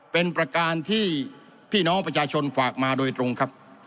เป็นประการที่พี่น้องประชาชนฝากมาโดยตรงครับ